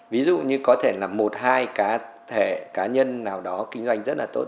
ví dụ như có thể là một hai cá thể cá nhân nào đó kinh doanh rất là tốt